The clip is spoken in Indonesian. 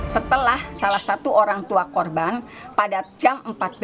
setelah salah satu orang tua korban pada jam empat belas